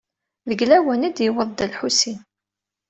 Deg lawan i d-yewweḍ Dda Lḥusin?